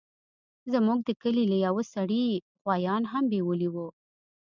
زموږ د کلي له يوه سړي يې غويان هم بيولي وو.